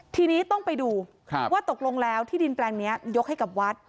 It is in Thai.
ทีนี้ต้องไปดูว่าตกลงแล้วที่ดินแปลงนี้ยกให้กับวัด